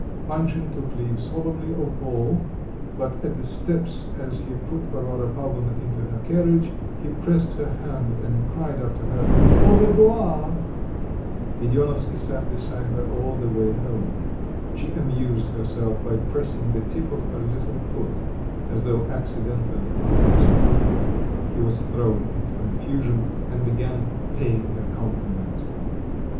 Panshin took leave solemnly of all, but at the steps as he put Varvara Pavlovna into her carriage he pressed her hand, and cried after her, "au revoir!" Gedeonovsky sat beside her all the way home. She amused herself by pressing the tip of her little foot as though accidentally on his foot; he was thrown into confusion and began paying her compliments.